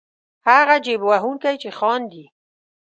هغه جېب وهونکی چې خاندي.